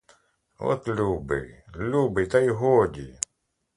От любий, любий, та й годі!